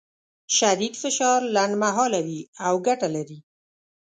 شدید فشار لنډمهاله وي او ګټه لري.